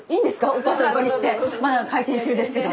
おかあさんお借りしてまだ開店中ですけど。